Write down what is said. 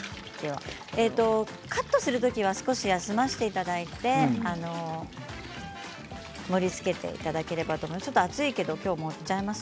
カットするときは少し休ませていただいて盛りつけていただければと思います。